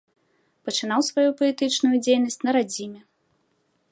Пачынаў сваю паэтычную дзейнасць на радзіме.